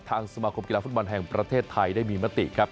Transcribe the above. สมาคมกีฬาฟุตบอลแห่งประเทศไทยได้มีมติครับ